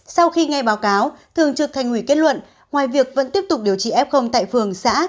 sau khi nghe báo cáo thường trực thành ủy kết luận ngoài việc vẫn tiếp tục điều trị f tại phường xã